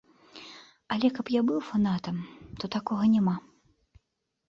Але каб я быў фанатам, то такога няма.